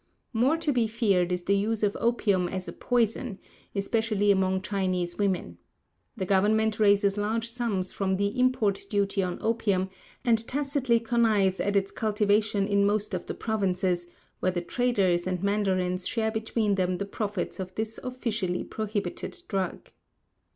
More to be feared is the use of opium as a poison, especially among Chinese women. The government raises large sums from the import duty on opium, and tacitly connives at its cultivation in most of the provinces, where the traders and mandarins share between them the profits of this officially prohibited drug.